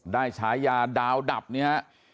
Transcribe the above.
ได้ฉายาดาวดรับเนี่ย